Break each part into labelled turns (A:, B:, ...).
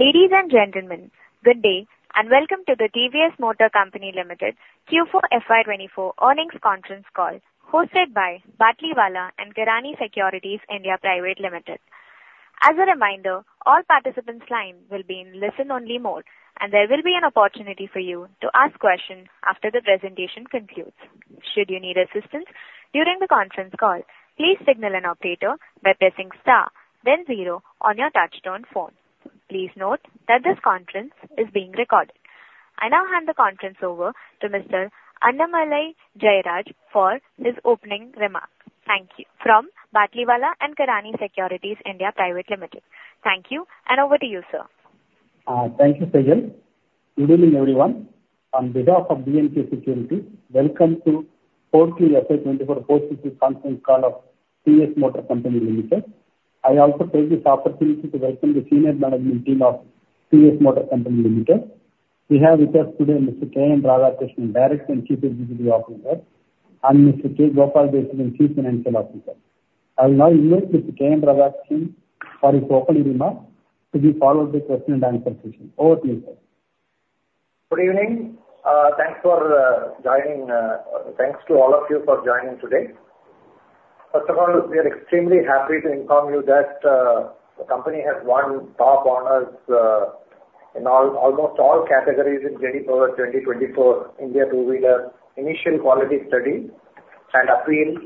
A: Ladies and gentlemen, good day, and welcome to the TVS Motor Company Limited Q4 FY24 Earnings Conference Call, hosted by Batlivala & Karani Securities India Pvt. Ltd. As a reminder, all participants' lines will be in listen-only mode, and there will be an opportunity for you to ask questions after the presentation concludes. Should you need assistance during the conference call, please signal an operator by pressing star, then zero on your touchtone phone. Please note that this conference is being recorded. I now hand the conference over to Mr. Annamalai Jayaraj for his opening remarks. Thank you. From Batlivala & Karani Securities India Pvt. Ltd. Thank you, and over to you, sir.
B: Thank you, Sejal. Good evening, everyone. On behalf of B&K Securities, welcome to quarterly FY 2024 conference call of TVS Motor Company Limited. I also take this opportunity to welcome the senior management team of TVS Motor Company Limited. We have with us today Mr. K.N. Radhakrishnan, Director and Chief Executive Officer, and Mr. K. Gopala Desikan, Chief Financial Officer. I will now invite Mr. K.N. Radhakrishnan for his opening remarks to be followed by question and answer session. Over to you, sir.
C: Good evening. Thanks for joining. Thanks to all of you for joining today. First of all, we are extremely happy to inform you that the company has won top honors in almost all categories in J.D. Power 2024 India Two-Wheeler Initial Quality Study and APEAL.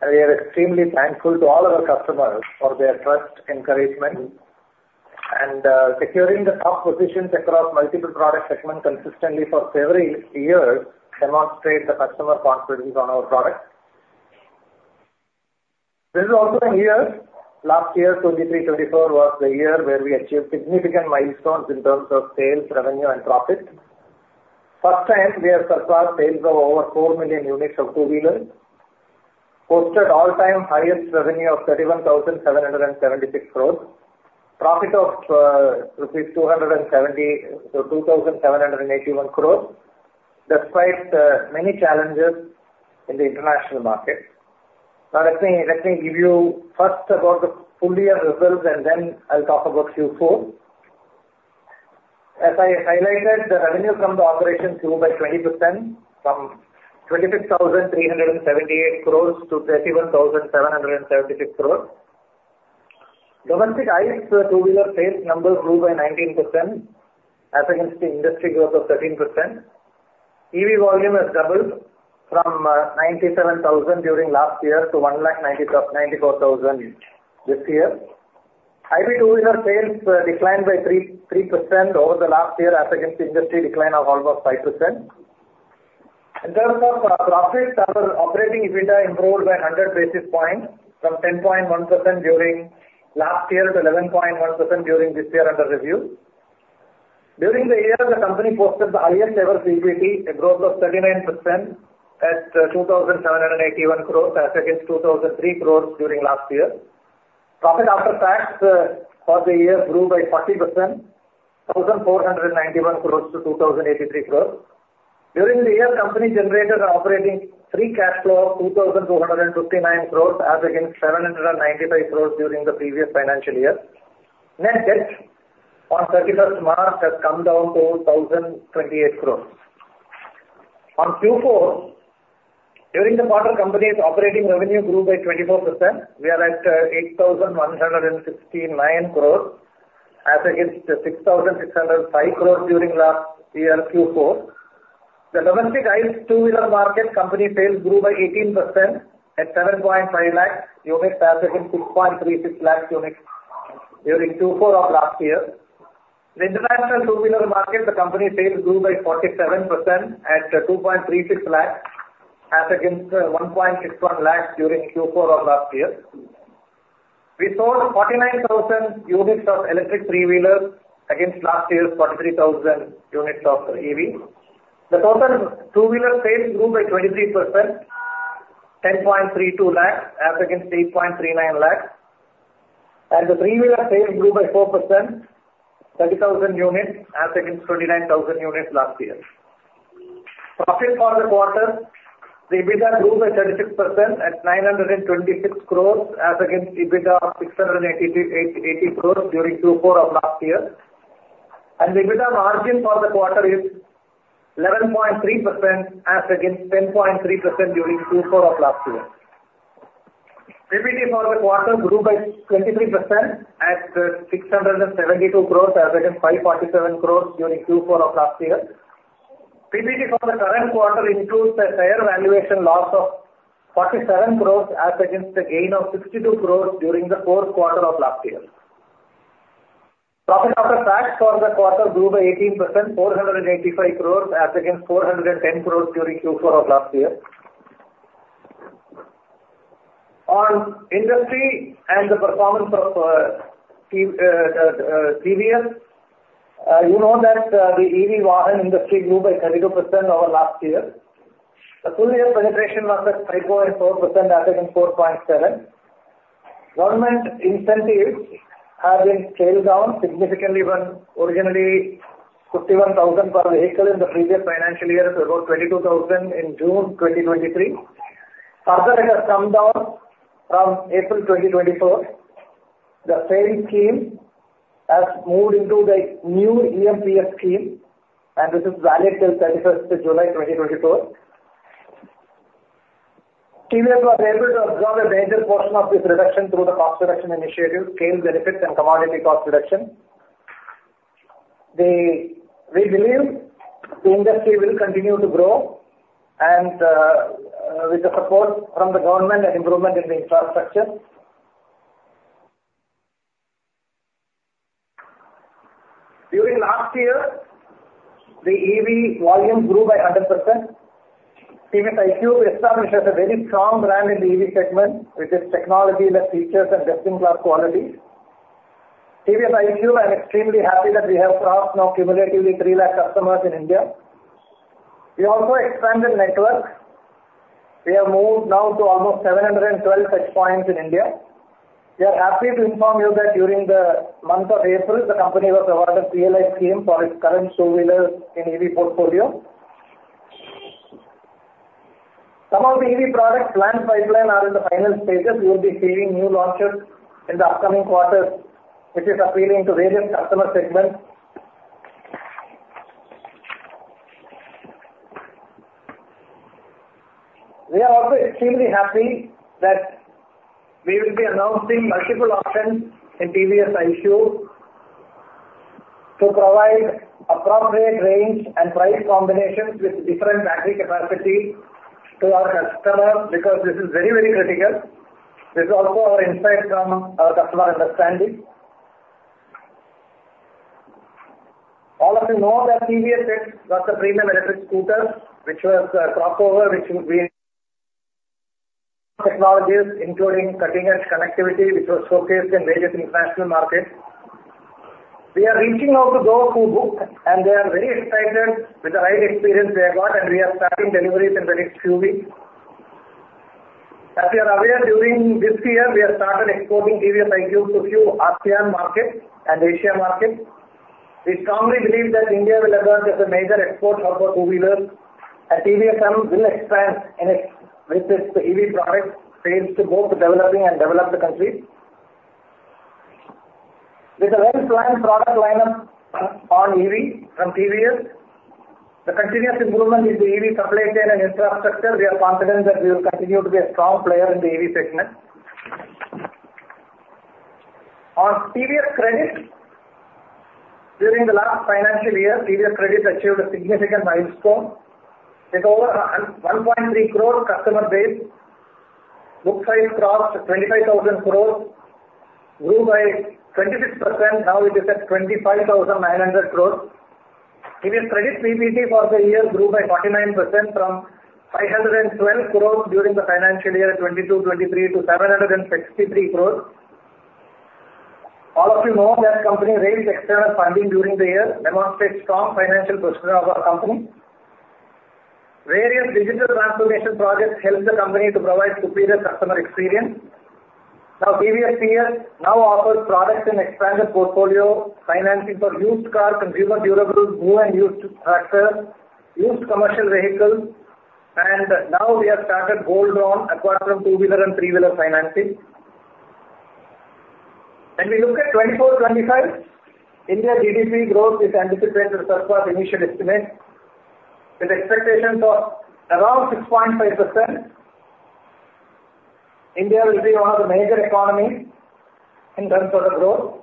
C: And we are extremely thankful to all our customers for their trust, encouragement, and securing the top positions across multiple product segments consistently for several years demonstrate the customer confidence on our products. This is also a year, last year, 2023, 2024, was the year where we achieved significant milestones in terms of sales, revenue, and profit. First time, we have surpassed sales of over 4 million units of two-wheelers, posted all-time highest revenue of 31,776 crore, profit of rupees two hundred and seventy, so 2,781 crore, despite many challenges in the international market. Now, let me, let me give you first about the full year results, and then I'll talk about Q4. As I highlighted, the revenue from the operations grew by 20%, from 26,378 crore to 31,776 crore. Domestic ICE two-wheeler sales numbers grew by 19%, as against the industry growth of 13%. EV volume has doubled from 97,000 during last year to 1 lakh ninety-four thousand this year. ICE two-wheeler sales declined by 3.3% over the last year, as against industry decline of almost 5%. In terms of profits, our operating EBITDA improved by 100 basis points, from 10.1% during last year to 11.1% during this year under review. During the year, the company posted the highest ever equity, a growth of 39% at 2,781 crores as against 2,003 crores during last year. Profit after tax for the year grew by 40%, 1,491 crores to 2,083 crores. During the year, company generated an operating free cash flow of 2,259 crores, as against 795 crores during the previous financial year. Net debt on 31 March has come down to 1,028 crores. On Q4, during the quarter, company's operating revenue grew by 24%. We are at 8,159 crores as against 6,605 crores during last year, Q4. The domestic ICE two-wheeler market company sales grew by 18% at 7.5 lakh units as against 2.36 lakh units during Q4 of last year. In the international two-wheeler market, the company's sales grew by 47% at 2.36 lakhs, as against 1.61 lakhs during Q4 of last year. We sold 49,000 units of electric three-wheelers against last year's 43,000 units of EV. The total two-wheeler sales grew by 23%, 10.32 lakh as against 8.39 lakh. The three-wheeler sales grew by 4%, 30,000 units as against 29,000 units last year. Profit for the quarter, the EBITDA grew by 36% at 926 crore as against EBITDA of 688 crore during Q4 of last year. The EBITDA margin for the quarter is 11.3% as against 10.3% during Q4 of last year. PBT for the quarter grew by 23% at 672 crore as against 547 crore during Q4 of last year. PBT for the current quarter includes the fair valuation loss of 47 crore as against the gain of 62 crore during the fourth quarter of last year. Profit after tax for the quarter grew by 18%, 485 crore as against 410 crore during Q4 of last year. On industry and the performance of TVS, you know that the EV vehicle industry grew by 32% over last year. The full year penetration was at 5.4%, as against 4.7. Government incentives have been scaled down significantly, but originally, 51,000 per vehicle in the previous financial year to about 22,000 in June 2023. Further, it has come down from April 2024. The same scheme has moved into the new EMPS scheme, and this is valid till 31st of July 2024. TVS was able to absorb a major portion of this reduction through the cost reduction initiative, scale benefits, and commodity cost reduction. We believe the industry will continue to grow and with the support from the government and improvement in the infrastructure. During last year, the EV volume grew by 100%. TVS iQube established as a very strong brand in the EV segment, with its technology led features and best-in-class quality. TVS iQube, I'm extremely happy that we have crossed now cumulatively 300,000 customers in India. We also expanded network. We have moved now to almost 712 touch points in India. We are happy to inform you that during the month of April, the company was awarded PLI scheme for its current two-wheeler in EV portfolio. Some of the EV product planned pipeline are in the final stages. We will be seeing new launches in the upcoming quarters, which is appealing to various customer segments. We are also extremely happy that we will be announcing multiple options in TVS iQube, to provide appropriate range and price combinations with different battery capacity to our customers, because this is very, very critical. This is also our insight from our customer understanding. All of you know that TVS X was a premium electric scooter, which was a crossover, which would be technologies, including cutting-edge connectivity, which was showcased in various international markets. We are reaching out to those who booked, and they are very excited with the ride experience they have got, and we are starting deliveries in the next few weeks. As you are aware, during this year, we have started exporting TVS iQube to few ASEAN markets and Asia markets. We strongly believe that India will emerge as a major exporter for two-wheelers, and TVS will expand its EV product range to both developing and developed countries. With a well-planned product lineup on EV from TVS, the continuous improvement in the EV supply chain and infrastructure, we are confident that we will continue to be a strong player in the EV segment. On TVS Credit, during the last financial year, TVS Credit achieved a significant milestone. With over 1.3 crore customer base, book size crossed 25,000 crore, grew by 26%, now it is at 25,900 crore. TVS Credit PBT for the year grew by 49% from 512 crore during the financial year 2022-23 to 763 crore. All of you know that company raised external funding during the year, demonstrates strong financial position of our company. Various digital transformation projects helped the company to provide superior customer experience. Now, TVS Credit now offers products in expanded portfolio, financing for used cars, consumer durables, new and used tractors, used commercial vehicles, and now we have started loan acquisition two-wheeler and three-wheeler financing. When we look at 2024, 2025, India GDP growth is anticipated to surpass initial estimates, with expectations of around 6.5%. India will be one of the major economies in terms of the growth.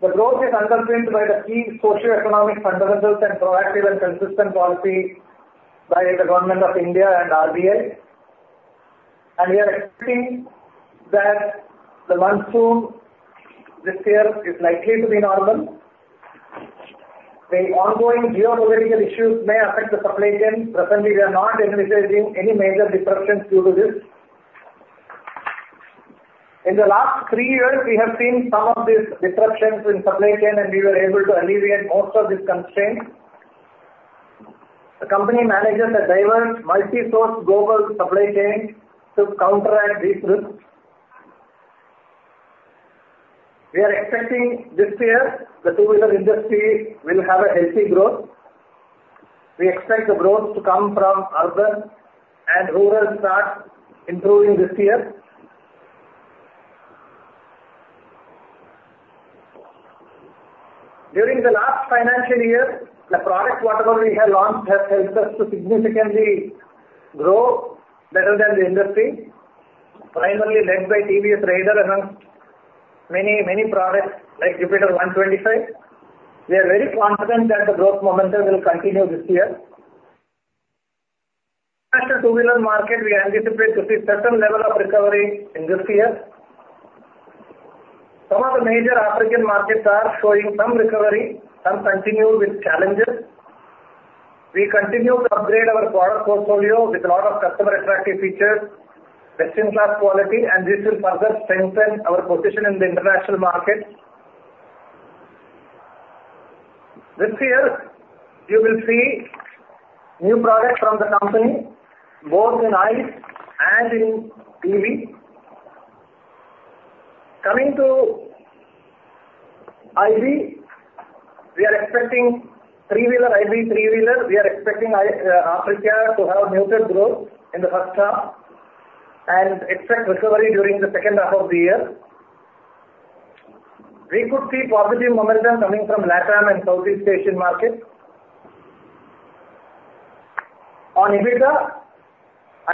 C: The growth is underpinned by the key socioeconomic fundamentals and proactive and consistent policy by the Government of India and RBI. We are expecting that the monsoon this year is likely to be normal. The ongoing geopolitical issues may affect the supply chain. Presently, we are not envisaging any major disruptions due to this. In the last three years, we have seen some of these disruptions in supply chain, and we were able to alleviate most of these constraints. The company manages a diverse, multi-source global supply chain to counteract these risks. We are expecting this year, the two-wheeler industry will have a healthy growth. We expect the growth to come from urban, and rural start improving this year. During the last financial year, the products whatever we have launched has helped us to significantly grow better than the industry, primarily led by TVS Raider and many, many products like Jupiter 125. We are very confident that the growth momentum will continue this year. After two-wheeler market, we anticipate to see certain level of recovery in this year. Some of the major African markets are showing some recovery, some continue with challenges. We continue to upgrade our product portfolio with a lot of customer attractive features, best-in-class quality, and this will further strengthen our position in the international market. This year, you will see new products from the company, both in ICE and in EV. Coming to EV, we are expecting three-wheeler, EV three-wheeler, we are expecting, Africa to have neutral growth in the first half and expect recovery during the second half of the year. We could see positive momentum coming from LatAm and Southeast Asian markets. On EBITDA,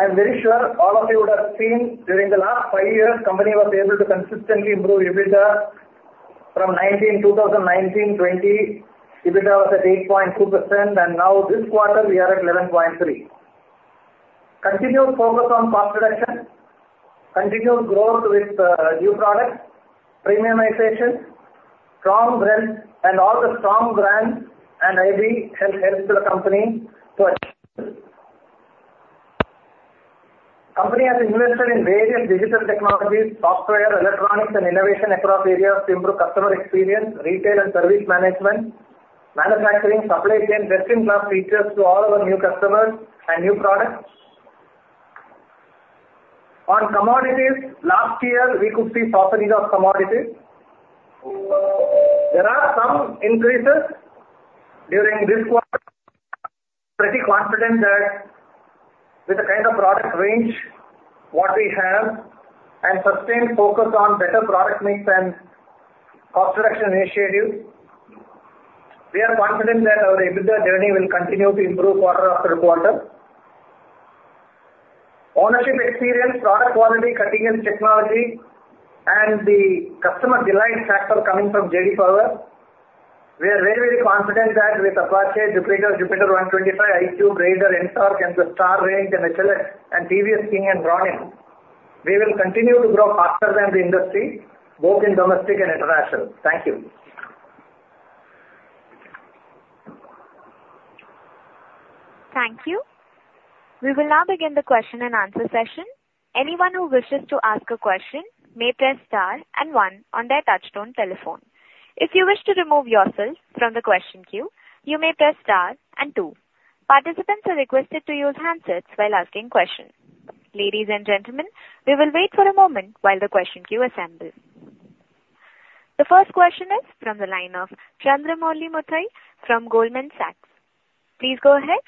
C: I am very sure all of you would have seen during the last five years, company was able to consistently improve EBITDA from 2019, 2019-20, EBITDA was at 8.2%, and now this quarter we are at 11.3%. Continued focus on cost reduction, continued growth with new products, premiumization, strong brands, and all the strong brands and EV has helped the company to achieve. Company has invested in various digital technologies, software, electronics, and innovation across areas to improve customer experience, retail and service management, manufacturing, supply chain, best-in-class features to all our new customers and new products. On commodities, last year, we could see softening of commodities. There are some increases during this quarter. Pretty confident that with the kind of product range, what we have, and sustained focus on better product mix and cost reduction initiatives, we are confident that our EBITDA journey will continue to improve quarter after quarter. Ownership experience, product quality, cutting-edge technology, and the customer delight factor coming from J.D. Power. We are very, very confident that with Apache, Jupiter, Jupiter 125, iQube, Raider, NTORQ, and the Star range, and HLX, and TVS King and Ronin, we will continue to grow faster than the industry, both in domestic and international. Thank you.
A: Thank you. We will now begin the question and answer session. Anyone who wishes to ask a question may press star and one on their touchtone telephone. If you wish to remove yourself from the question queue, you may press star and two. Participants are requested to use handsets while asking questions. Ladies and gentlemen, we will wait for a moment while the question queue assembles. The first question is from the line of Chandramouli Muthiah from Goldman Sachs. Please go ahead.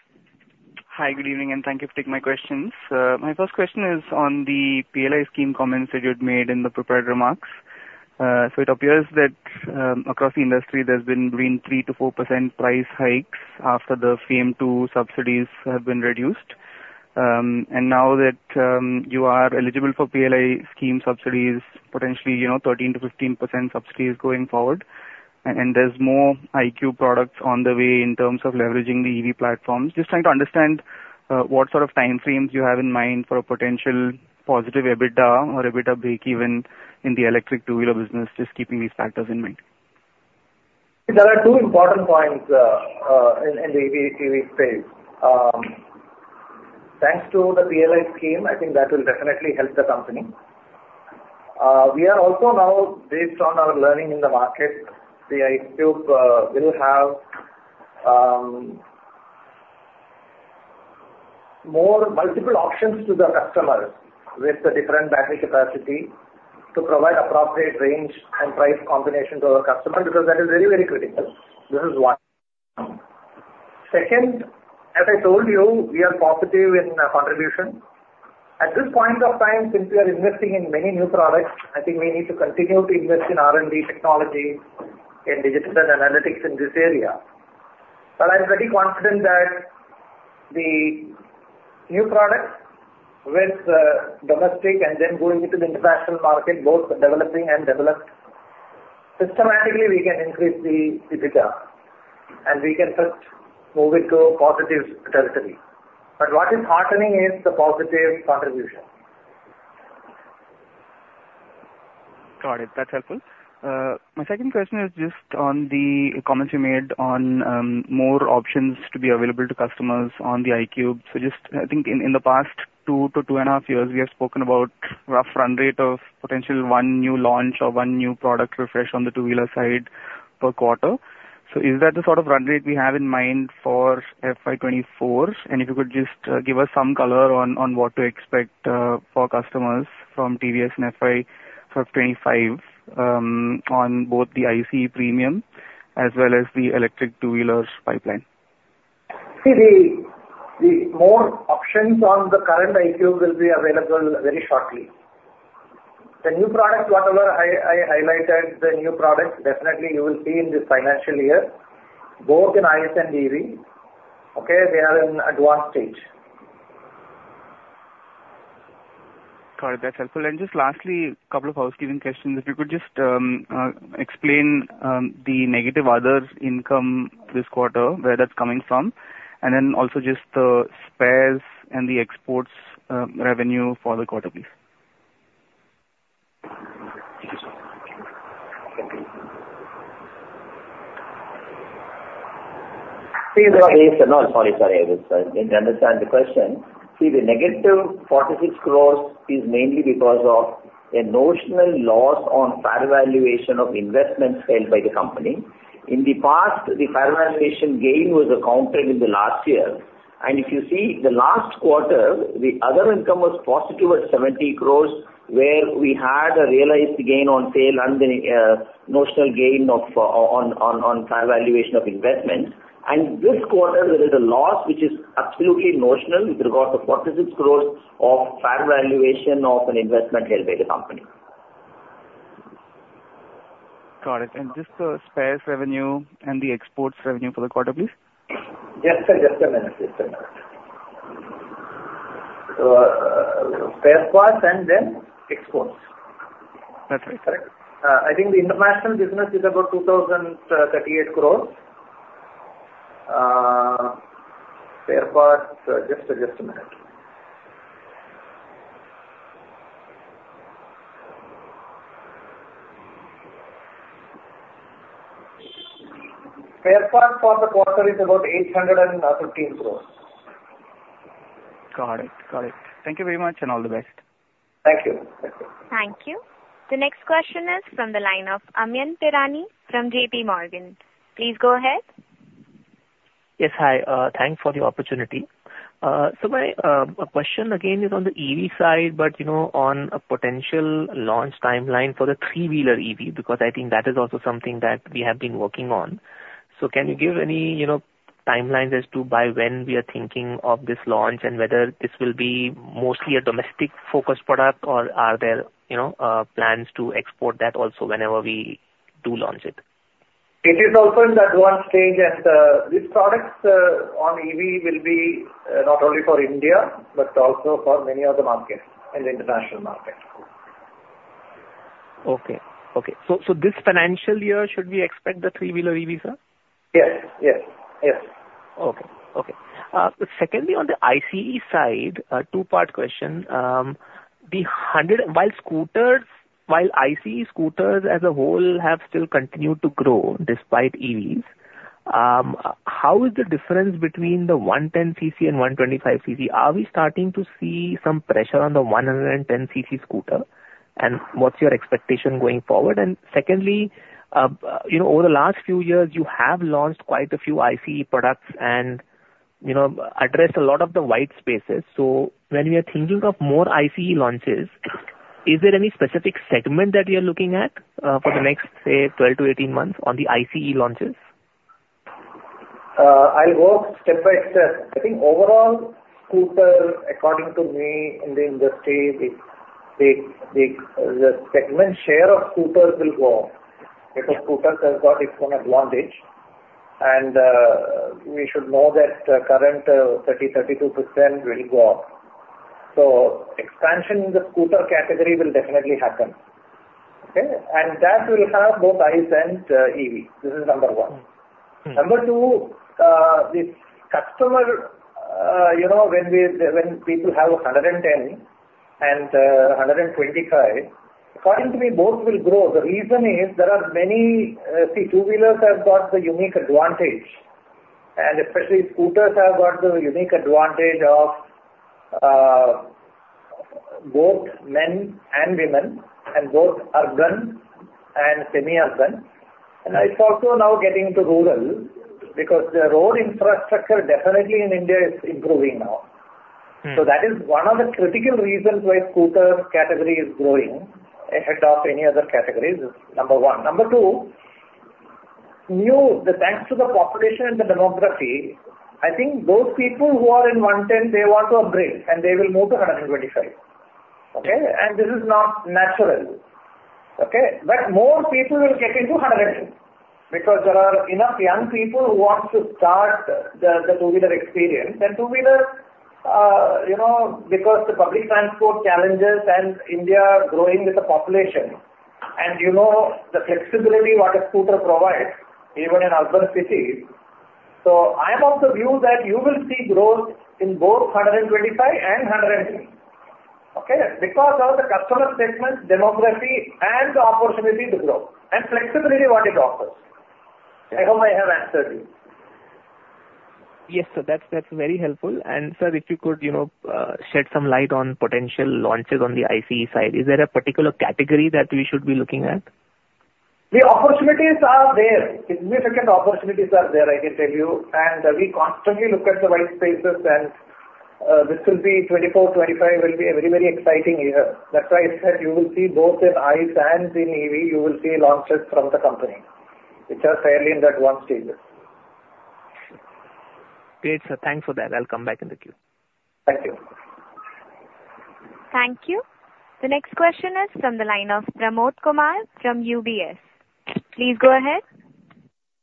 D: Hi, good evening, and thank you for taking my questions. My first question is on the PLI scheme comments that you had made in the prepared remarks. So it appears that, across the industry, there's been between 3%-4% price hikes after the FAME II subsidies have been reduced. And now that you are eligible for PLI scheme subsidies, potentially, you know, 13%-15% subsidies going forward, and there's more iQube products on the way in terms of leveraging the EV platforms. Just trying to understand what sort of time frames you have in mind for a potential positive EBITDA or EBITDA breakeven in the electric two-wheeler business, just keeping these factors in mind.
C: There are two important points in the EV space. Thanks to the PLI scheme, I think that will definitely help the company. We are also now, based on our learning in the market, the iQube will have more multiple options to the customers with the different battery capacity to provide appropriate range and price combination to our customer, because that is very, very critical. This is one. Second, as I told you, we are positive in contribution. At this point of time, since we are investing in many new products, I think we need to continue to invest in R&D technology and digital analytics in this area. But I'm pretty confident that the new products with domestic and then going into the international market, both developing and developed, systematically, we can increase the EBITDA, and we can first move into a positive territory. But what is heartening is the positive contribution.
D: Got it. That's helpful. My second question is just on the comments you made on, more options to be available to customers on the iQube. So just, I think in, in the past 2-2.5 years, we have spoken about rough run rate of potential 1 new launch or 1 new product refresh on the two-wheeler side per quarter. So is that the sort of run rate we have in mind for FY 2024? And if you could just, give us some color on, on what to expect, for customers from TVS in FY 2025, on both the ICE premium as well as the electric two-wheelers pipeline.
C: See, the more options on the current iQube will be available very shortly. The new products, whatever I highlighted, the new products, definitely you will see in this financial year, both in ICE and EV, okay? They are in advanced stage.
D: Got it. That's helpful. Just lastly, a couple of housekeeping questions. If you could just explain the negative other income this quarter, where that's coming from, and then also just the spares and the exports revenue for the quarter, please. Thank you, sir....
E: See, sorry, I just didn't understand the question. See, the negative 46 crore is mainly because of a notional loss on fair valuation of investments held by the company. In the past, the fair valuation gain was accounted in the last year, and if you see the last quarter, the other income was positive at 70 crore, where we had a realized gain on sale and the notional gain on fair valuation of investments. And this quarter, there is a loss, which is absolutely notional with regard to INR 46 crore of fair valuation of an investment held by the company.
D: Got it. Just the spares revenue and the exports revenue for the quarter, please?
C: Just, just a minute. Just a minute. Spare parts and then exports?
D: That's right.
C: Correct. I think the international business is about 2,038 crores. Spare parts, just a minute. Spare parts for the quarter is about 815 crores.
D: Got it. Got it. Thank you very much, and all the best.
E: Thank you. Thank you.
A: Thank you. The next question is from the line of Amyn Pirani from J.P. Morgan. Please go ahead.
F: Yes, hi. Thanks for the opportunity. So my question again is on the EV side, but, you know, on a potential launch timeline for the three-wheeler EV, because I think that is also something that we have been working on. So can you give any, you know, timelines as to by when we are thinking of this launch, and whether this will be mostly a domestic-focused product, or are there, you know, plans to export that also whenever we do launch it?
C: It is also in that one stage, and these products on EV will be not only for India, but also for many other markets and international markets.
F: Okay. So this financial year, should we expect the three-wheeler EV, sir?
C: Yes, yes, yes.
F: Okay. Okay. Secondly, on the ICE side, a two-part question. The hundred... While scooters, while ICE scooters as a whole have still continued to grow despite EVs, how is the difference between the 110 cc and 125 cc? Are we starting to see some pressure on the 110 cc scooter, and what's your expectation going forward? And secondly, you know, over the last few years, you have launched quite a few ICE products and, you know, addressed a lot of the white spaces. So when we are thinking of more ICE launches, is there any specific segment that we are looking at, for the next, say, 12-18 months on the ICE launches?
C: I'll go step by step. I think overall, scooters, according to me, in the industry, the segment share of scooters will go up, because scooters have got its own advantage, and we should know that the current 32% will go up. So expansion in the scooter category will definitely happen, okay? And that will have both ICE and EV. This is number one.
F: Mm.
C: Number two, the customer, you know, when we, when people have 110 and 125, according to me, both will grow. The reason is there are many, see, two-wheelers have got the unique advantage, and especially scooters have got the unique advantage of both men and women, and both urban and semi-urban. And it's also now getting to rural, because the road infrastructure definitely in India is improving now.
F: Mm.
C: So that is one of the critical reasons why scooter category is growing ahead of any other categories, is number one. Number two, new, the thanks to the population and the demography, I think those people who are in 110, they want to upgrade, and they will move to 125, okay? And this is now natural, okay? But more people will get into 110, because there are enough young people who want to start the, the two-wheeler experience. And two-wheeler, you know, because the public transport challenges and India growing with the population, and you know, the flexibility what a scooter provides, even in urban cities. So I am of the view that you will see growth in both 125 and 110, okay? Because of the customer segment, demography, and the opportunity to grow, and flexibility what it offers. I hope I have answered you.
F: Yes, sir, that's, that's very helpful. And sir, if you could, you know, shed some light on potential launches on the ICE side. Is there a particular category that we should be looking at?
C: The opportunities are there. Significant opportunities are there, I can tell you, and we constantly look at the white spaces, and, this will be, 2024, 2025 will be a very, very exciting year. That's why I said you will see both in ICE and in EV, you will see launches from the company, which are fairly in that final stages.
F: Great, sir. Thanks for that. I'll come back in the queue.
C: Thank you.
A: Thank you. The next question is from the line of Pramod Kumar from UBS. Please go ahead.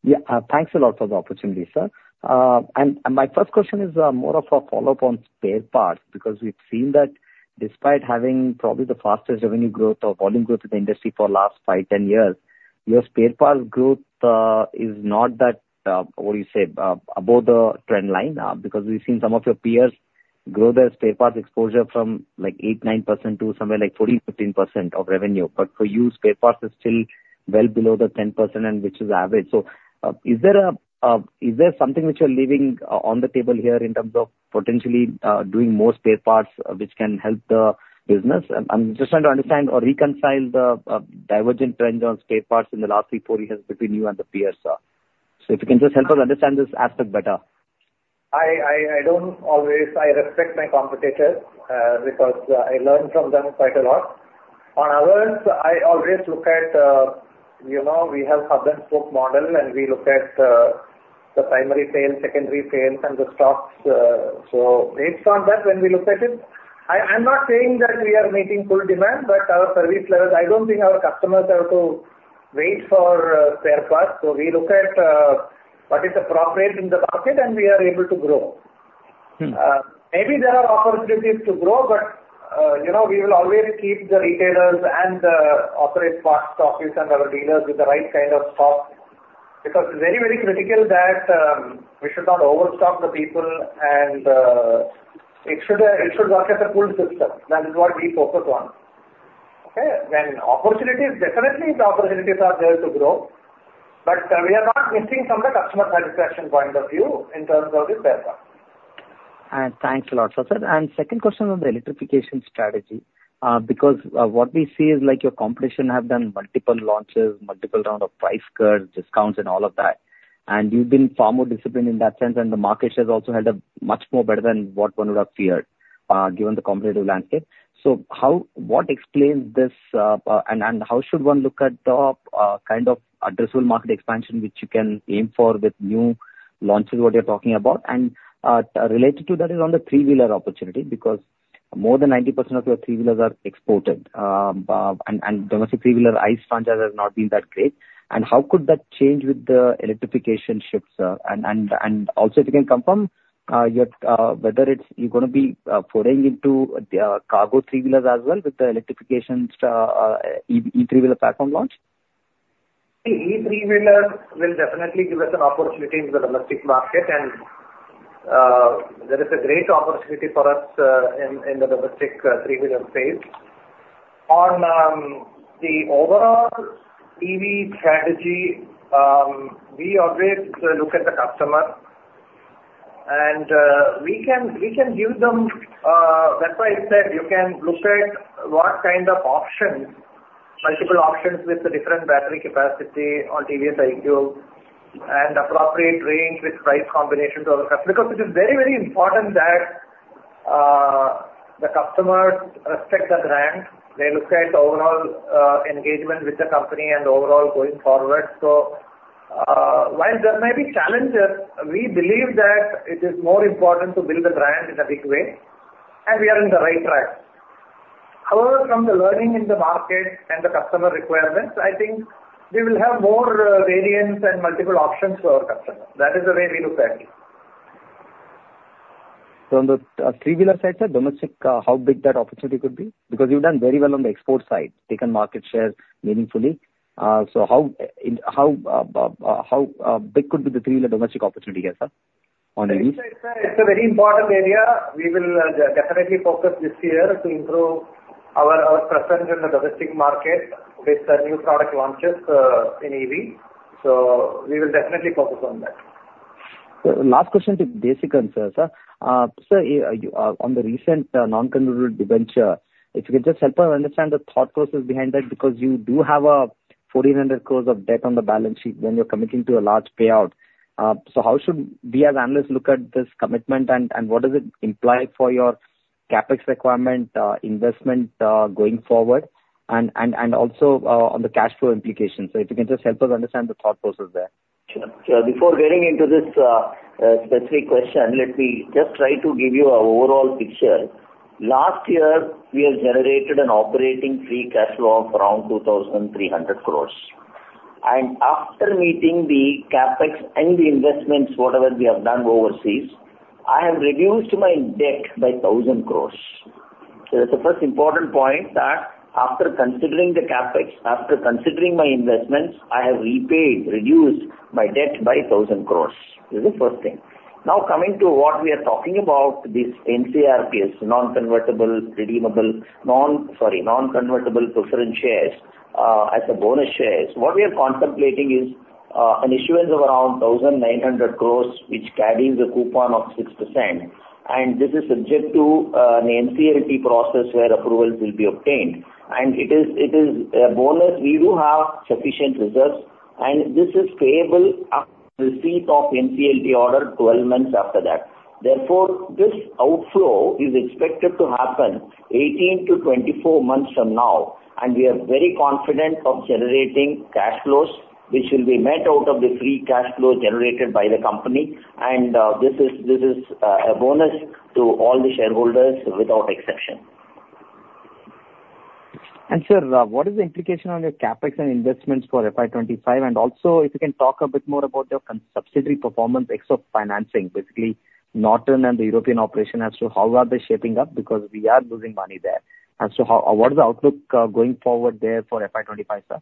G: Yeah, thanks a lot for the opportunity, sir. And my first question is more of a follow-up on spare parts, because we've seen that despite having probably the fastest revenue growth or volume growth in the industry for last 5, 10 years, your spare parts growth is not that what do you say above the trend line, because we've seen some of your peers grow the spare parts exposure from like 8-9% to somewhere like 14-15% of revenue. But for you, spare parts is still well below the 10% and which is average. So, is there a is there something which you're leaving on the table here in terms of potentially doing more spare parts which can help the business? I'm just trying to understand or reconcile the divergent trends on spare parts in the last three, four years between you and the peers. So if you can just help us understand this aspect better.
C: I don't always. I respect my competitors, because I learn from them quite a lot. On our end, I always look at, you know, we have hub-and-spoke model, and we look at the primary sales, secondary sales, and the stocks, so based on that, when we look at it, I'm not saying that we are meeting full demand, but our service levels, I don't think our customers have to wait for spare parts. So we look at what is appropriate in the market, and we are able to grow.
G: Hmm.
C: Maybe there are opportunities to grow, but, you know, we will always keep the retailers and the authorized parts office and our dealers with the right kind of stock, because it's very, very critical that we should not overstock the people and, it should, it should work as a pull system. That is what we focus on. Okay? When opportunities, definitely the opportunities are there to grow, but we are not missing from the customer satisfaction point of view in terms of the spare parts.
G: Thanks a lot, sir. Second question on the electrification strategy, because what we see is like your competition have done multiple launches, multiple round of price cuts, discounts and all of that, and you've been far more disciplined in that sense, and the market share has also had a much more better than what one would have feared, given the competitive landscape. So how, what explains this, and how should one look at the kind of addressable market expansion which you can aim for with new launches, what you're talking about? Related to that is on the three-wheeler opportunity, because more than 90% of your three-wheelers are exported, and domestic three-wheeler ICE standards have not been that great. How could that change with the electrification shifts, and also, if you can confirm whether you're gonna be foraying into cargo three-wheelers as well, with the electrification, e-three-wheeler platform launch?
C: The e-three-wheeler will definitely give us an opportunity in the domestic market, and there is a great opportunity for us in the domestic three-wheeler space. On the overall EV strategy, we always look at the customer, and we can give them. That's why I said, you can look at what kind of options, multiple options with the different battery capacity on TVS iQube, and appropriate range with price combinations. Because it is very, very important that the customers respect the brand. They look at the overall engagement with the company and overall going forward. So, while there may be challenges, we believe that it is more important to build the brand in a big way, and we are on the right track. However, from the learning in the market and the customer requirements, I think we will have more, variants and multiple options for our customers. That is the way we look at it.
G: From the three-wheeler side, sir, domestic, how big that opportunity could be? Because you've done very well on the export side, taken market share meaningfully. So how big could be the three-wheeler domestic opportunity here, sir, on EV?
C: It's a very important area. We will definitely focus this year to improve our presence in the domestic market with the new product launches in EV. So we will definitely focus on that.
G: So last question to Desikan sir. Sir, you on the recent non-convertible debenture, if you could just help her understand the thought process behind that, because you do have 1,400 crore of debt on the balance sheet when you're committing to a large payout. So how should we, as analysts, look at this commitment, and, and, and also on the cash flow implications. So if you can just help us understand the thought process there.
E: Sure. So before getting into this specific question, let me just try to give you an overall picture. Last year, we have generated an operating free cash flow of around 2,300 crore, and after meeting the CapEx and the investments, whatever we have done overseas, I have reduced my debt by 1,000 crore. So the first important point that after considering the CapEx, after considering my investments, I have repaid, reduced my debt by 1,000 crore. This is the first thing. Now, coming to what we are talking about, this NCRPS, non-convertible, redeemable, non... Sorry, non-convertible preference shares, as a bonus shares. What we are contemplating is an issuance of around 1,900 crore, which carries a coupon of 6%, and this is subject to an NCLT process where approvals will be obtained. And it is, it is, bonus. We do have sufficient reserves, and this is payable after receipt of NCLT order 12 months after that. Therefore, this outflow is expected to happen 18-24 months from now, and we are very confident of generating cash flows, which will be met out of the free cash flow generated by the company, and this is, this is, a bonus to all the shareholders without exception.
G: sir, what is the implication on your CapEx and investments for FY 25? And also, if you can talk a bit more about your subsidiary performance, ex of financing, basically Norton and the European operation, as to how are they shaping up? Because we are losing money there. And so how, what is the outlook, going forward there for FY 25, sir?...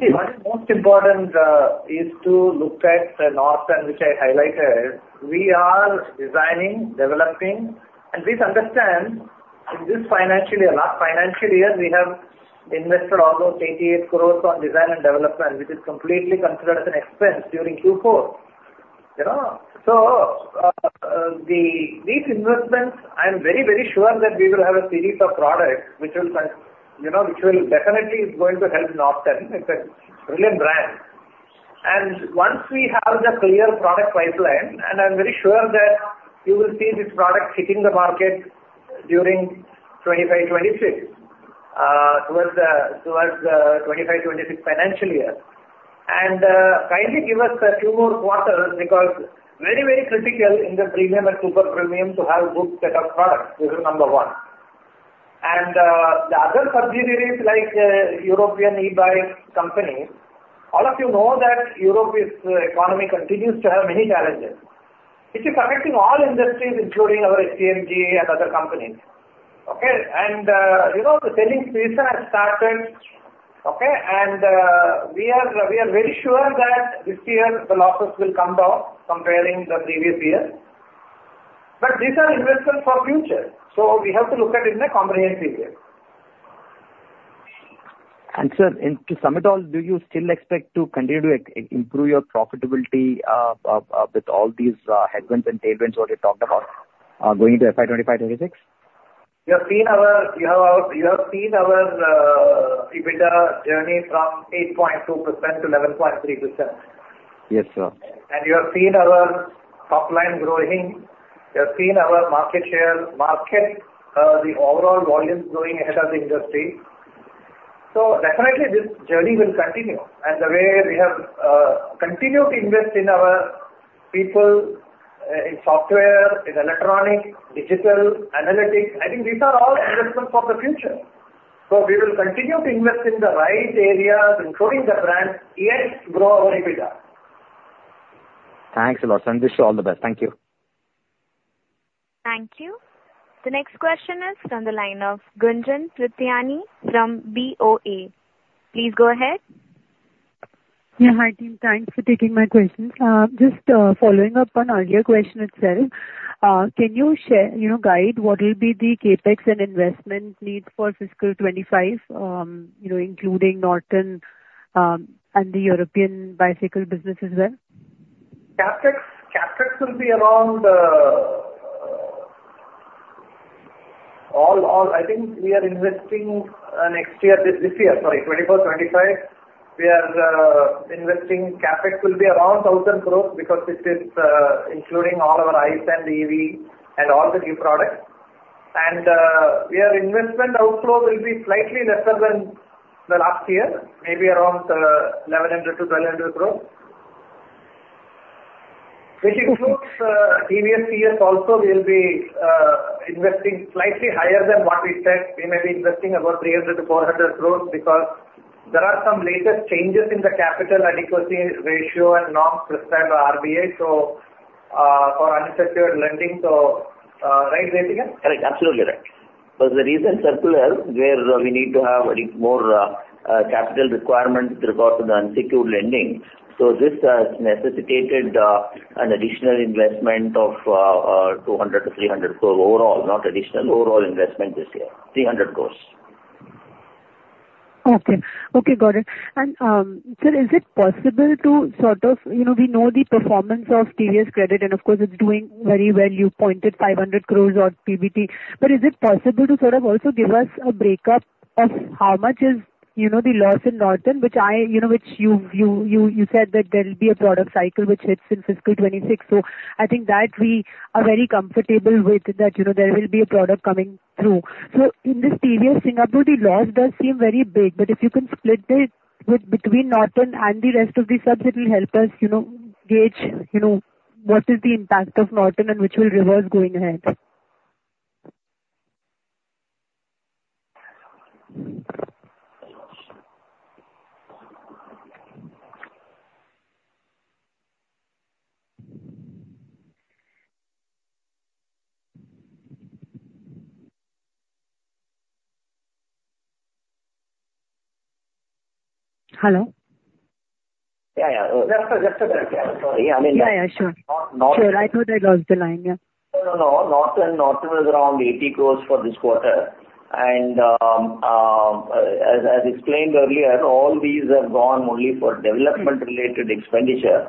C: See, what is most important, is to look at the Norton, which I highlighted. We are designing, developing, and please understand, in this financial year, last financial year, we have invested almost 88 crore on design and development, which is completely considered as an expense during Q4, you know? So, these investments, I am very, very sure that we will have a series of products which will, you know, which will definitely is going to help Norton. It's a brilliant brand. And once we have the clear product pipeline, and I'm very sure that you will see this product hitting the market during 2025, 2026, towards the, towards the 2025, 2026 financial year. And, kindly give us a few more quarters, because very, very critical in the premium and super premium to have good set of products. This is number one. The other subsidiaries, like, European E-bike company, all of you know that Europe's economy continues to have many challenges, which is affecting all industries, including our SEMG and other companies. Okay? And, you know, the selling season has started, okay? And, we are, we are very sure that this year the losses will come down comparing the previous year. But these are investments for future, so we have to look at it in a comprehensive way.
G: And, sir, and to sum it all, do you still expect to continue to improve your profitability, with all these, headwinds and tailwinds, what you talked about, going into FY 25, 26?
C: You have seen our EBITDA journey from 8.2% to 11.3%.
G: Yes, sir.
C: You have seen our top line growing, you have seen our market share, market, the overall volumes growing ahead of the industry. Definitely this journey will continue, and the way we have continued to invest in our people, in software, in electronic, digital, analytics, I think these are all investments for the future. We will continue to invest in the right areas, including the brands, yes, grow our EBITDA.
G: Thanks a lot, Sanjeev. Wish you all the best. Thank you.
A: Thank you. The next question is on the line of Gunjan Prithyani from BOA. Please go ahead.
H: Yeah, hi, team. Thanks for taking my questions. Just following up on earlier question itself, can you share, you know, guide, what will be the CapEx and investment needs for fiscal 25, you know, including Norton, and the European bicycle business as well?
E: CapEx? CapEx will be around. I think we are investing next year, this year, sorry, 2024-2025, we are investing. CapEx will be around 1,000 crore because this is including all our ICE and EV and all the new products. Our investment outflow will be slightly lesser than the last year, maybe around 1,100-1,200 crore. Which includes previous years also, we will be investing slightly higher than what we said. We may be investing about 300-400 crore because there are some latest changes in the capital adequacy ratio and norms prescribed by RBI, so for unsecured lending, so right, Desikan? Correct. Absolutely right. There's a recent circular where we need to have a little more capital requirements with regard to the unsecured lending. So this has necessitated an additional investment of 200 crores-300 crores overall, not additional, overall investment this year, 300 crores.
H: Okay. Okay, got it. And, sir, is it possible to sort of... You know, we know the performance of TVS Credit, and of course, it's doing very well. You pointed 500 crore on PBT. But is it possible to sort of also give us a breakup of how much is, you know, the loss in Norton, which I, you know, which you said that there will be a product cycle which hits in fiscal 2026. So I think that we are very comfortable with, that, you know, there will be a product coming through. So in this previous Singapore, the loss does seem very big, but if you can split it between Norton and the rest of the subs, it will help us, you know, gauge, you know, what is the impact of Norton and which will reverse going ahead. Hello?
C: Yeah, yeah. Just a second. Sorry, I mean-
H: Yeah, yeah, sure.
C: Norton-
H: Sure, I thought I lost the line, yeah.
C: No, no, no. Norton was around 80 crore for this quarter. As explained earlier, all these have gone only for development-related expenditure.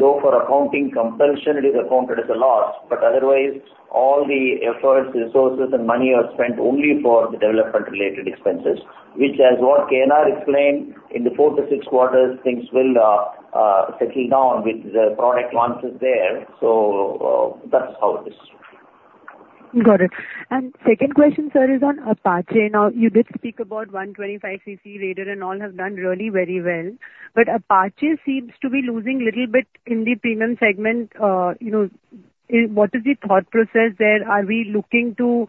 C: Though for accounting compulsion, it is accounted as a loss, but otherwise, all the efforts, resources, and money are spent only for the development-related expenses, which, as what KNR explained, in the 4-6 quarters, things will settle down with the product launches there. That's how it is.
H: Got it. And second question, sir, is on Apache. Now, you did speak about 125 cc Raider and all have done really very well, but Apache seems to be losing little bit in the premium segment. You know, what is the thought process there? Are we looking to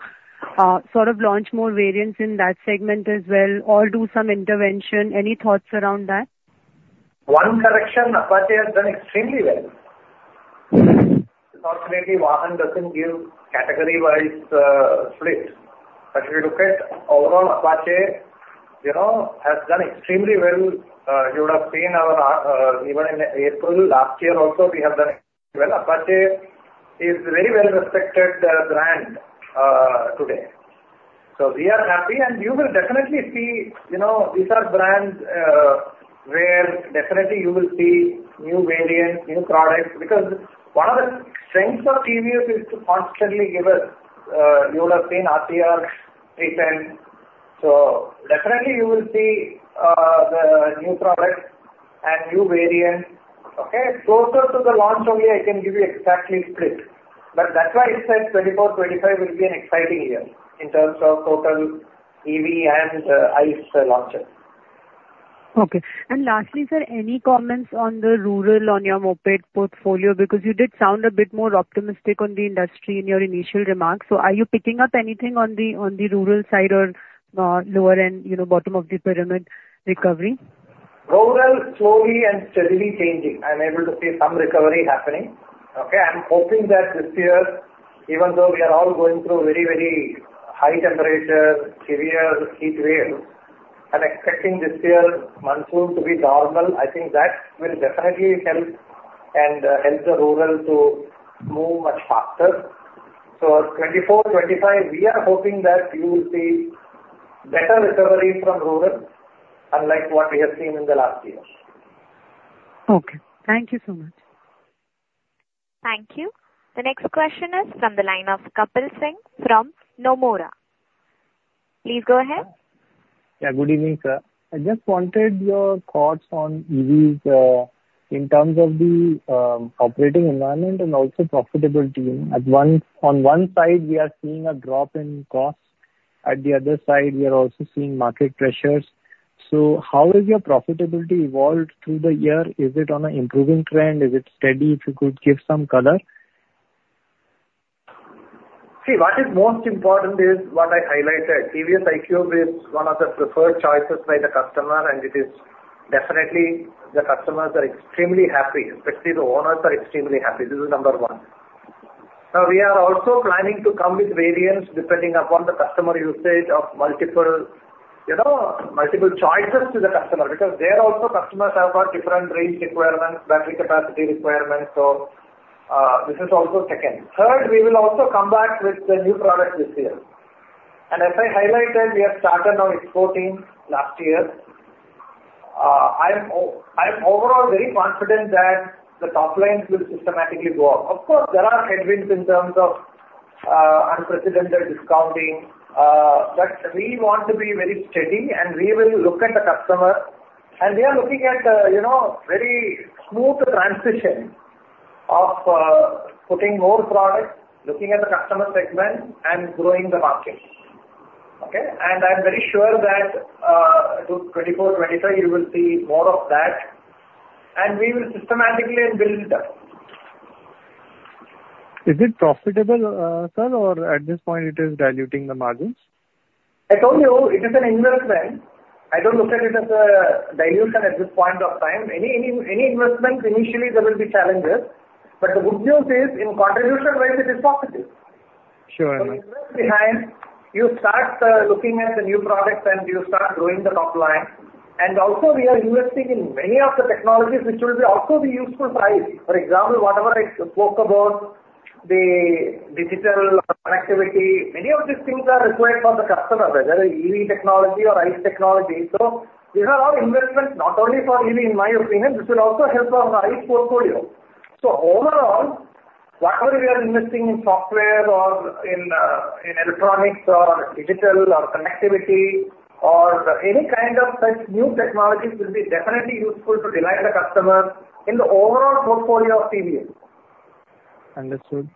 H: sort of launch more variants in that segment as well, or do some intervention? Any thoughts around that?
C: ...One correction, Apache has done extremely well. Unfortunately, Vahan doesn't give category-wise split. But if you look at overall, Apache, you know, has done extremely well. You would have seen our even in April last year also, we have done extremely well. Apache is a very well-respected brand today. So we are happy, and you will definitely see, you know, these are brands where definitely you will see new variants, new products, because one of the strengths of TVS is to constantly give a you would have seen RTR recent. So definitely you will see the new products and new variants. Okay? Closer to the launch only I can give you exactly split, but that's why I said 2024, 2025 will be an exciting year in terms of total EV and ICE launches.
H: Okay. And lastly, sir, any comments on the rural, on your moped portfolio? Because you did sound a bit more optimistic on the industry in your initial remarks. So are you picking up anything on the rural side or lower end, you know, bottom of the pyramid recovery?
C: Rural, slowly and steadily changing. I'm able to see some recovery happening. Okay? I'm hoping that this year, even though we are all going through very, very high temperatures, severe heat waves, I'm expecting this year monsoon to be normal. I think that will definitely help and help the rural to move much faster. So 2024, 2025, we are hoping that you will see better recovery from rural, unlike what we have seen in the last years.
H: Okay. Thank you so much.
A: Thank you. The next question is from the line of Kapil Singh from Nomura. Please go ahead.
I: Yeah, good evening, sir. I just wanted your thoughts on EVs in terms of the operating environment and also profitability. On one side, we are seeing a drop in costs, at the other side, we are also seeing market pressures. So how has your profitability evolved through the year? Is it on an improving trend? Is it steady? If you could give some color?
C: See, what is most important is what I highlighted. TVS iQube is one of the preferred choices by the customer, and it is definitely, the customers are extremely happy, especially the owners are extremely happy. This is number one. Now, we are also planning to come with variants depending upon the customer usage of multiple, you know, multiple choices to the customer, because there also, customers have got different range requirements, battery capacity requirements. So, this is also second. Third, we will also come back with the new product this year. And as I highlighted, we have started now exporting last year. I am overall very confident that the top line will systematically go up. Of course, there are headwinds in terms of, unprecedented discounting, but we want to be very steady, and we will look at the customer. We are looking at, you know, very smooth transition of putting more products, looking at the customer segment and growing the market. Okay? I'm very sure that, to 2024, 2025, you will see more of that, and we will systematically build up.
I: Is it profitable, sir, or at this point, it is diluting the margins?
C: I told you, it is an investment. I don't look at it as a dilution at this point of time. Any investment, initially there will be challenges, but the good news is, in contribution wise, it is positive.
I: Sure, sir.
C: The investment behind, you start looking at the new products and you start growing the top line. Also we are investing in many of the technologies which will also be useful for ICE. For example, whatever I spoke about, the digital connectivity, many of these things are required for the customer, whether EV technology or ICE technology. These are all investments not only for EV. In my opinion, this will also help our ICE portfolio. Overall, whatever we are investing in software or in electronics or digital or connectivity or any kind of such new technologies, will be definitely useful to delight the customer in the overall portfolio of TVS.
I: Understood.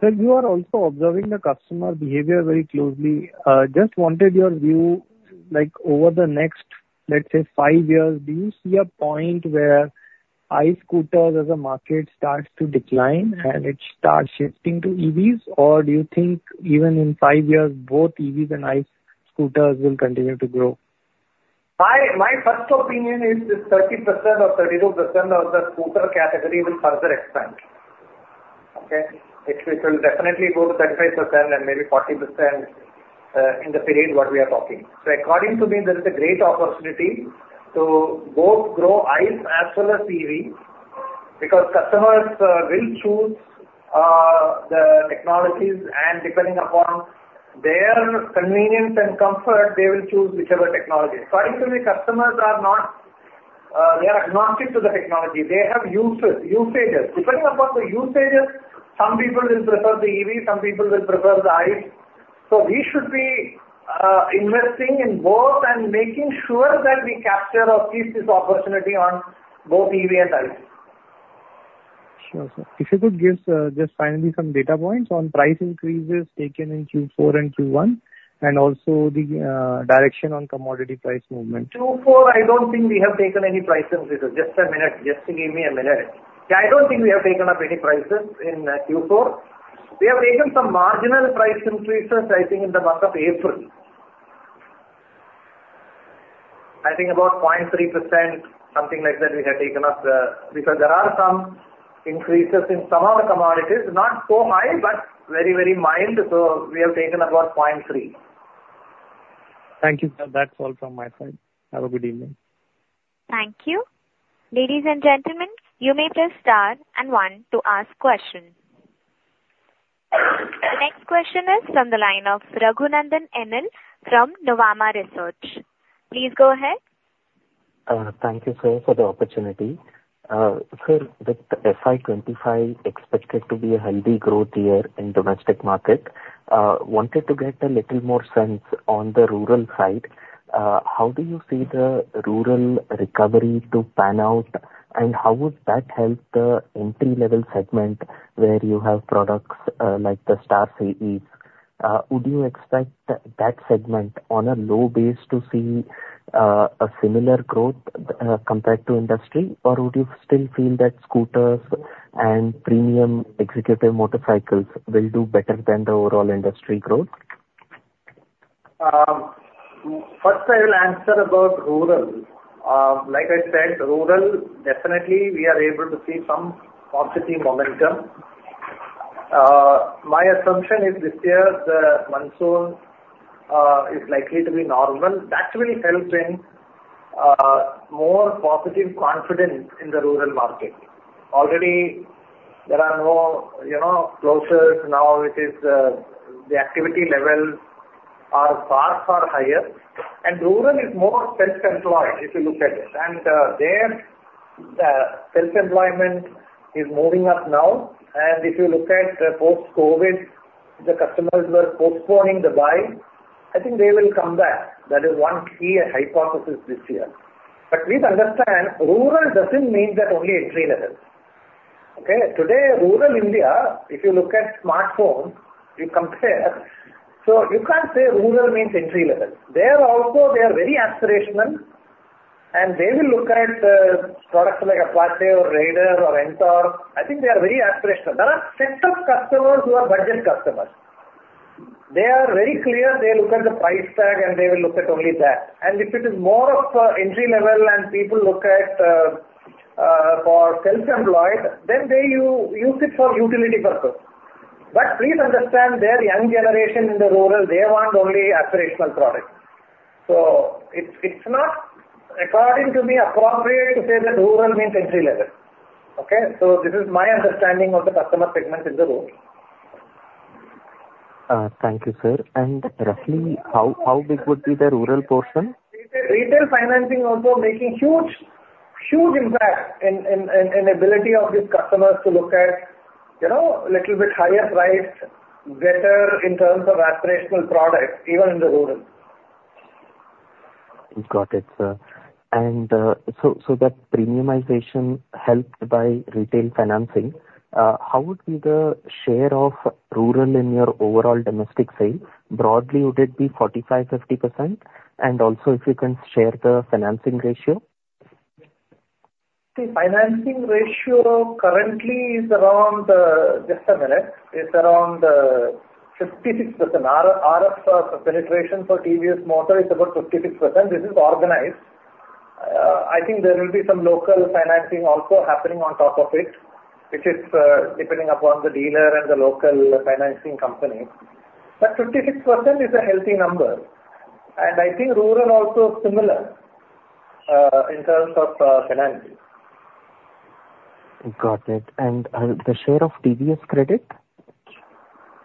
I: Sir, you are also observing the customer behavior very closely. Just wanted your view, like over the next, let's say, five years, do you see a point where ICE scooters as a market starts to decline and it starts shifting to EVs? Or do you think even in five years, both EVs and ICE scooters will continue to grow?
C: My first opinion is this 30% or 32% of the scooter category will further expand. Okay? It will definitely go to 35% and maybe 40%, in the period what we are talking. So according to me, there is a great opportunity to both grow ICE as well as EV, because customers will choose the technologies, and depending upon their convenience and comfort, they will choose whichever technology. According to me, customers are not, they are agnostic to the technology. They have usage, usages. Depending upon the usages, some people will prefer the EV, some people will prefer the ICE. So we should be investing in both and making sure that we capture or keep this opportunity on both EV and ICE.
I: Sure, sir. If you could give just finally some data points on price increases taken in Q4 and Q1, and also the direction on commodity price movement.
C: Q4, I don't think we have taken any price increases. Just a minute. Just give me a minute. I don't think we have taken up any prices in Q4. We have taken some marginal price increases, I think, in the month of April. I think about 0.3%, something like that, we have taken up, because there are some increases in some of the commodities, not so high, but very, very mild. So we have taken about 0.3%.
I: Thank you, sir. That's all from my side. Have a good evening.
A: Thank you. Ladies and gentlemen, you may press star and one to ask questions. The next question is from the line of Raghunandhan NL from Nuvama Research. Please go ahead.
J: Thank you, sir, for the opportunity. Sir, with FY 25 expected to be a healthy growth year in domestic market, wanted to get a little more sense on the rural side. How do you see the rural recovery to pan out, and how would that help the entry-level segment where you have products, like the Star City? Would you expect that segment on a low base to see a similar growth compared to industry? Or would you still feel that scooters and premium executive motorcycles will do better than the overall industry growth?
C: First, I will answer about rural. Like I said, rural, definitely, we are able to see some positive momentum. My assumption is this year, the monsoon is likely to be normal. That will help in more positive confidence in the rural market. Already, there are no, you know, closures. Now, it is the activity levels are far, far higher, and rural is more self-employed, if you look at it. And their self-employment is moving up now. And if you look at the post-COVID, the customers were postponing the buy. I think they will come back. That is one key hypothesis this year. But please understand, rural doesn't mean that only entry-level, okay? Today, rural India, if you look at smartphone, you compare, so you can't say rural means entry-level. They are also, they are very aspirational, and they will look at products like Apache or Raider or NTORQ. I think they are very aspirational. There are set of customers who are budget customers. They are very clear. They look at the price tag, and they will look at only that. And if it is more of entry-level and people look at for self-employed, then they use it for utility purpose. But please understand, they are young generation in the rural, they want only aspirational products. So it's not, according to me, appropriate to say that rural means entry-level, okay? So this is my understanding of the customer segment in the rural.
J: Thank you, sir. And roughly, how, how big would be the rural portion?
C: Retail financing also making huge, huge impact in ability of these customers to look at, you know, little bit higher priced, better in terms of aspirational products, even in the rural.
J: Got it, sir. And, so that premiumization helped by retail financing, how would be the share of rural in your overall domestic sales? Broadly, would it be 45%-50%? And also, if you can share the financing ratio.
C: The financing ratio currently is around, just a minute, is around, 56%. R-RF penetration for TVS Motor is about 56%. This is organized. I think there will be some local financing also happening on top of it, which is, depending upon the dealer and the local financing company. But 56% is a healthy number, and I think rural also similar, in terms of, financing.
J: Got it. And, the share of TVS Credit?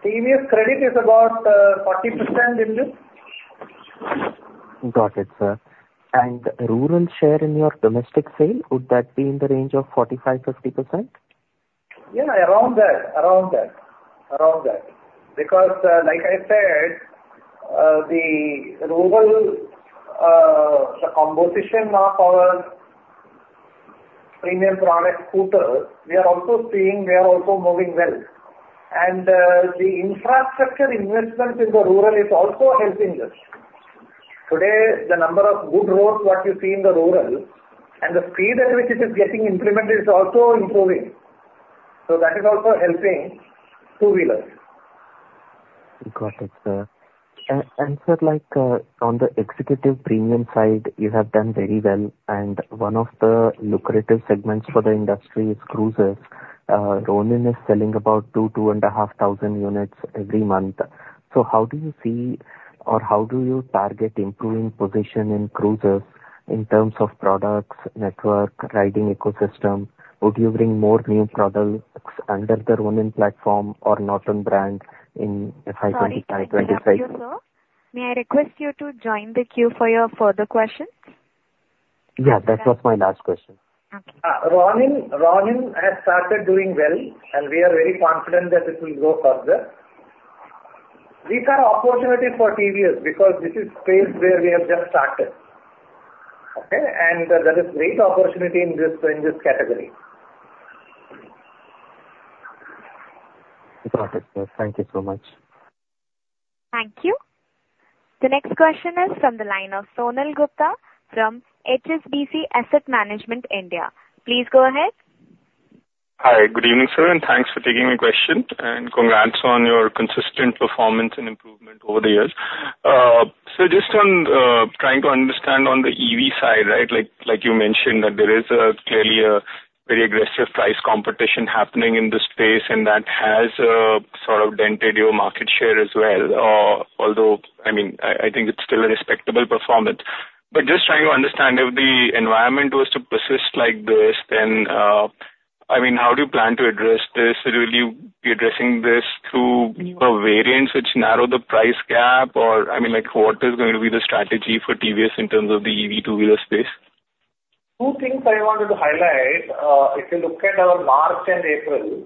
C: TVS Credit is about 40% into.
J: Got it, sir. Rural share in your domestic sale, would that be in the range of 45%-50%?
C: Yeah, around that. Around that. Around that. Because, like I said, the rural, the composition of our premium product scooter, we are also seeing they are also moving well. And, the infrastructure investments in the rural is also helping us. Today, the number of good roads, what you see in the rural, and the speed at which it is getting implemented is also improving. So that is also helping two-wheelers.
J: Got it, sir. And sir, like, on the executive premium side, you have done very well, and one of the lucrative segments for the industry is cruisers. Ronin is selling about 2,000-2,500 units every month. So how do you see or how do you target improving position in cruisers in terms of products, network, riding ecosystem? Would you bring more new products under the Ronin platform or Norton brand in FY 25?
A: Sorry to interrupt you, sir. May I request you to join the queue for your further questions?
J: Yeah, that was my last question.
A: Okay.
C: Ronin, Ronin has started doing well, and we are very confident that it will go further. These are opportunities for TVS, because this is space where we have just started, okay? And there is great opportunity in this, in this category.
J: Got it, sir. Thank you so much.
A: Thank you. The next question is from the line of Sonal Gupta from HSBC Asset Management India. Please go ahead....
K: Hi, good evening, sir, and thanks for taking my question, and congrats on your consistent performance and improvement over the years. So just on trying to understand on the EV side, right? Like, like you mentioned, that there is clearly a very aggressive price competition happening in this space, and that has sort of dented your market share as well, although, I mean, I think it's still a respectable performance. But just trying to understand, if the environment was to persist like this, then, I mean, how do you plan to address this? Will you be addressing this through your variants which narrow the price gap, or, I mean, like, what is going to be the strategy for TVS in terms of the EV two-wheeler space?
C: Two things I wanted to highlight. If you look at our March and April,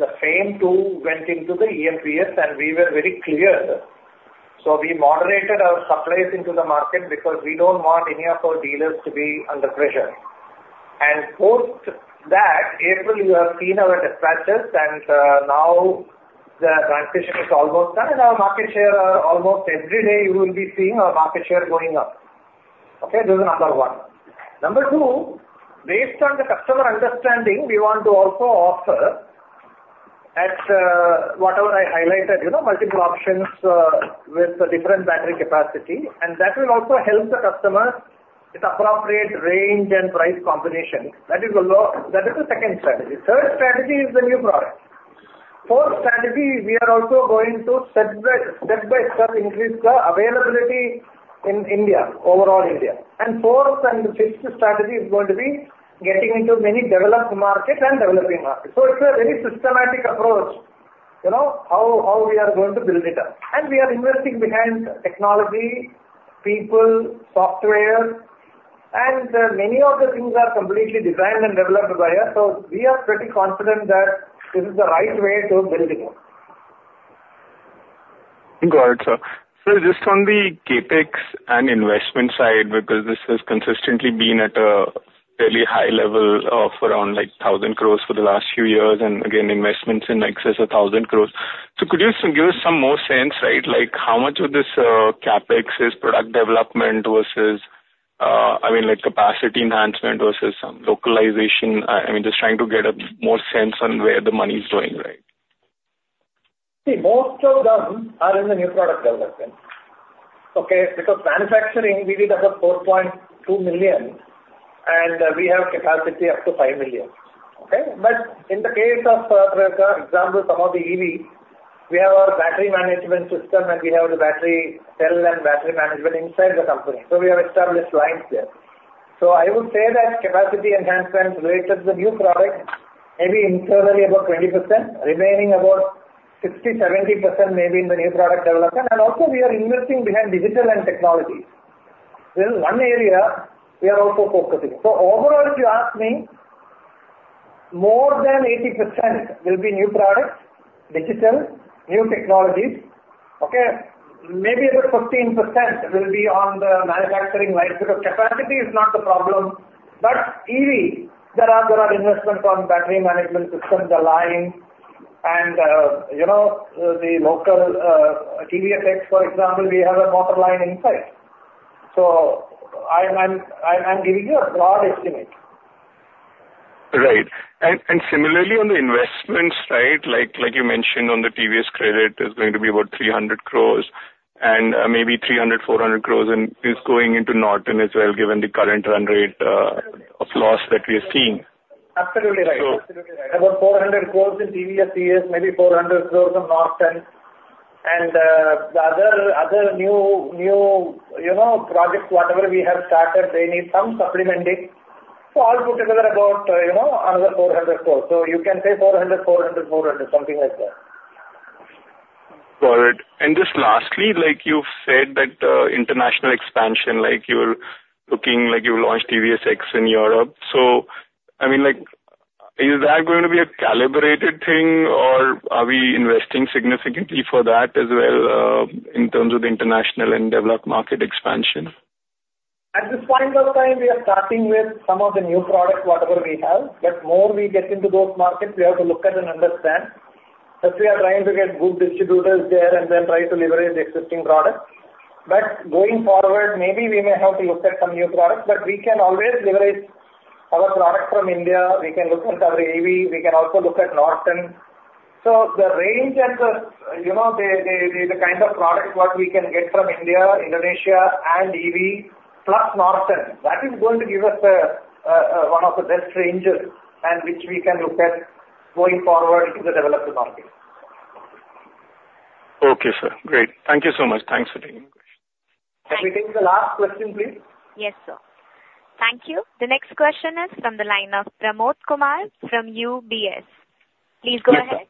C: the FAME ll went into the EMMS, and we were very clear. So we moderated our supplies into the market because we don't want any of our dealers to be under pressure. And post that, April, you have seen our dispatches, and now the transition is almost done, and our market share are almost every day, you will be seeing our market share going up. Okay, this is number one. Number two, based on the customer understanding, we want to also offer at whatever I highlighted, you know, multiple options with the different battery capacity, and that will also help the customer with appropriate range and price combination. That is the second strategy. Third strategy is the new product. Fourth strategy, we are also going to step-by-step increase the availability in India, overall India. And fourth and fifth strategy is going to be getting into many developed market and developing market. So it's a very systematic approach, you know, how we are going to build it up. And we are investing behind technology, people, software, and many of the things are completely designed and developed over here. So we are pretty confident that this is the right way to build it up.
K: Got it, sir. Sir, just on the CapEx and investment side, because this has consistently been at a fairly high level of around, like, 1,000 crore for the last few years, and again, investments in excess of 1,000 crore. So could you give us some more sense, right, like, how much of this CapEx is product development versus, I mean, like, capacity enhancement versus localization? I mean, just trying to get a more sense on where the money is going, right.
C: See, most of them are in the new product development. Okay, because manufacturing, we did at the 4.2 million, and we have capacity up to 5 million, okay? But in the case of, for example, some of the EV, we have our battery management system, and we have the battery cell and battery management inside the company. So we have established lines there. So I would say that capacity enhancements related to the new product may be in totally about 20%, remaining about 60%-70% may be in the new product development. And also we are investing behind digital and technology. This is one area we are also focusing. So overall, if you ask me, more than 80% will be new products, digital, new technologies, okay? Maybe about 15% will be on the manufacturing line, because capacity is not the problem. But EV, there are investments on battery management systems, the line and, you know, the local TVS X, for example, we have a motor line inside. So I am giving you a broad estimate.
K: Right. And similarly on the investment side, like, like you mentioned on the TVS Credit, is going to be about 300 crore and, maybe 300-400 crore and is going into Norton as well, given the current run rate of loss that we are seeing.
C: Absolutely right.
K: So-
C: Absolutely right. About 400 crore in TVS, maybe 400 crore on Norton. The other new, you know, projects, whatever we have started, they need some supplementing. So all put together about, you know, another 400 crore. So you can say 400 crore, 400 crore, 400 crore, something like that.
K: Got it. And just lastly, like you've said, that, international expansion, like you're looking, like you've launched TVS X in Europe. So I mean, like, is that going to be a calibrated thing, or are we investing significantly for that as well, in terms of international and developed market expansion?
C: At this point of time, we are starting with some of the new products, whatever we have. But more we get into those markets, we have to look at and understand, that we are trying to get good distributors there and then try to leverage the existing products. But going forward, maybe we may have to look at some new products, but we can always leverage our products from India. We can look at our EV, we can also look at Norton. So the range and the, you know, the kind of products what we can get from India, Indonesia, and EV, plus Norton, that is going to give us one of the best ranges and which we can look at going forward in the developed market.
K: Okay, sir. Great. Thank you so much. Thanks for taking my question.
C: Can we take the last question, please?
A: Yes, sir. Thank you. The next question is from the line of Pramod Kumar from UBS. Please go ahead.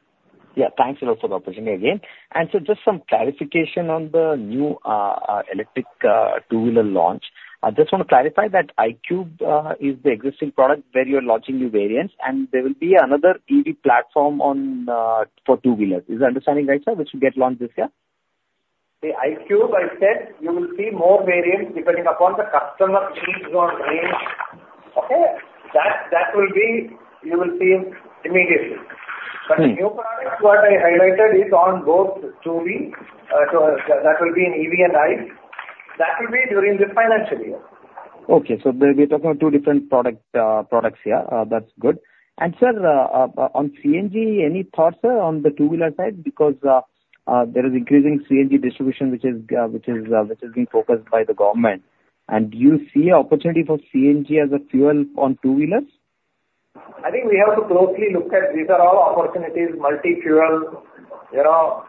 G: Yeah, thanks a lot for the opportunity again. So just some clarification on the new electric two-wheeler launch. I just want to clarify that iQube is the existing product where you are launching the variants, and there will be another EV platform on for two-wheeler. Is my understanding right, sir, which you get launched this year?
C: The iQube, I said, you will see more variants depending upon the customer needs or range, okay? That, that will be, you will see immediately.
G: Hmm.
C: But the new products, what I highlighted, is on both 2V, so that will be an EV and ICE. That will be during this financial year.
G: Okay. So we're talking about two different product, products here. That's good. And sir, on CNG, any thoughts, sir, on the two-wheeler side? Because there is increasing CNG distribution, which is being focused by the government. And do you see an opportunity for CNG as a fuel on two-wheelers?
C: I think we have to closely look at these are all opportunities, multi-fuel. You know,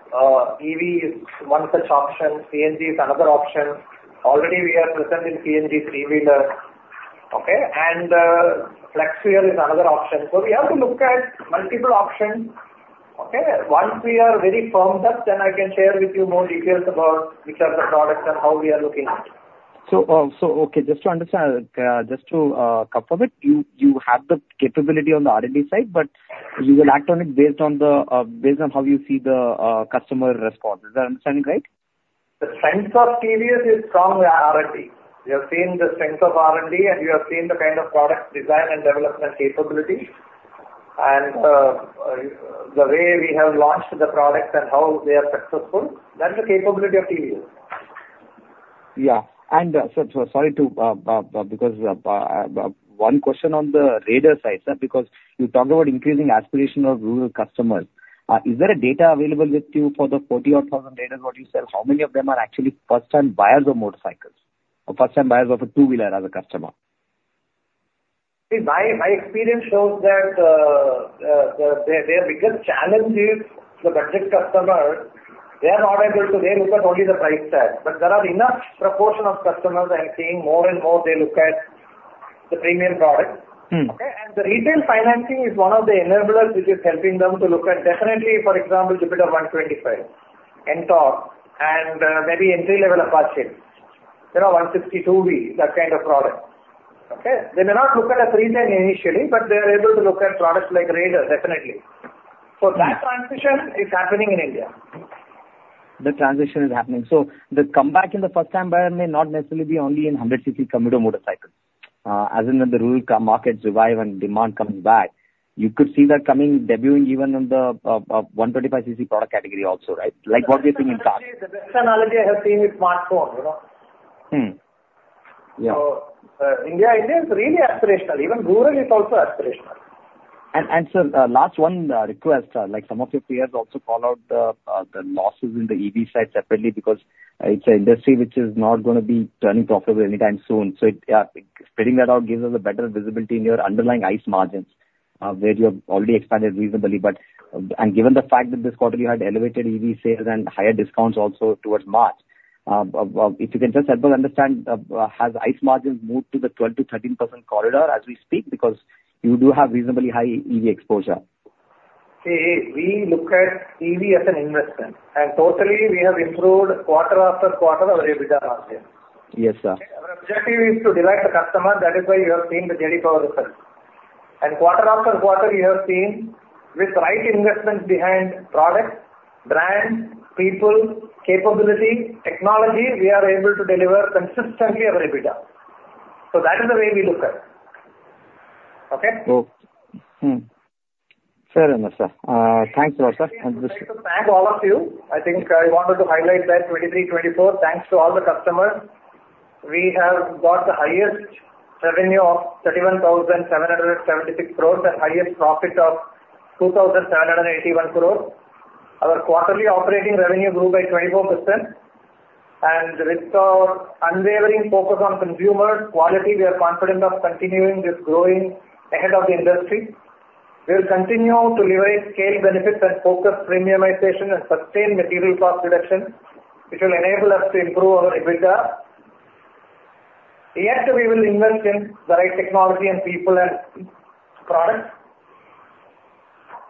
C: EV is one such option. CNG is another option. Already we are present in CNG three-wheeler, okay? And, flex fuel is another option. So we have to look at multiple options, okay? Once we are very firmed up, then I can share with you more details about which are the products and how we are looking at it.
G: So, okay, just to understand, just to confirm it, you have the capability on the R&D side, but you will act on it based on how you see the customer response. Is my understanding right?
C: The strength of TVS is strong R&D. You have seen the strength of R&D, and you have seen the kind of product design and development capabilities. The way we have launched the products and how they are successful, that's the capability of TVS.
G: One question on the Raider side, sir, because you talked about increasing aspiration of rural customers. Is there a data available with you for the 40,000-odd Raiders what you sell? How many of them are actually first-time buyers of motorcycles or first-time buyers of a two-wheeler as a customer?
C: See, my experience shows that their biggest challenge is the budget customer. They are not able to... They look at only the price tag. But there are enough proportion of customers are seeing more and more they look at the premium products.
G: Mm.
C: Okay? And the retail financing is one of the enablers which is helping them to look at definitely, for example, Jupiter 125, NTORQ, and maybe entry level Apache. You know, 160 2V, that kind of product. Okay? They may not look at a FZ initially, but they are able to look at products like Raider, definitely.
G: Mm.
C: That transition is happening in India.
G: The transition is happening. So the comeback in the first time buyer may not necessarily be only in 100 CC commuter motorcycle. As and when the rural markets revive and demand coming back, you could see that coming, debuting even on the 125 CC product category also, right? Like what we think in cars.
C: The best analogy I have seen is smartphone, you know?
G: Mm. Yeah.
C: So, India, India is really aspirational. Even rural is also aspirational.
G: Sir, last one, request. Like some of your peers also call out the losses in the EV side separately, because it's an industry which is not going to be turning profitable anytime soon. So, yeah, splitting that out gives us a better visibility in your underlying ICE margins, where you have already expanded reasonably. But, and given the fact that this quarter you had elevated EV sales and higher discounts also towards March, if you can just help us understand, has ICE margins moved to the 12%-13% corridor as we speak? Because you do have reasonably high EV exposure.
C: See, we look at EV as an investment, and totally, we have improved quarter after quarter, our EBITDA margin.
G: Yes, sir.
C: Our objective is to delight the customer. That is why you have seen the J.D. Power results. And quarter after quarter, you have seen with right investments behind products, brands, people, capability, technology, we are able to deliver consistently our EBITDA. So that is the way we look at it. Okay?
G: Oh. Mm. Fair enough, sir. Thanks a lot, sir.
C: Thank you all. I think I wanted to highlight that 2023-2024, thanks to all the customers, we have got the highest revenue of 31,776 crore, and highest profit of 2,781 crore. Our quarterly operating revenue grew by 24%, and with our unwavering focus on consumer quality, we are confident of continuing this growing ahead of the industry. We will continue to leverage scale benefits and focus premiumization and sustain material cost reduction, which will enable us to improve our EBITDA. Yes, we will invest in the right technology and people and products.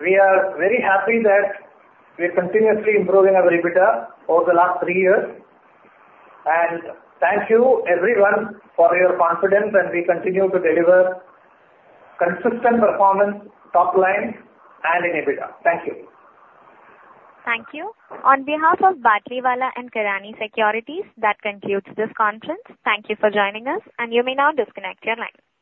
C: We are very happy that we are continuously improving our EBITDA over the last three years. Thank you everyone for your confidence, and we continue to deliver consistent performance, top line and in EBITDA. Thank you.
A: Thank you. On behalf of Batlivala & Karani Securities, that concludes this conference. Thank you for joining us, and you may now disconnect your line.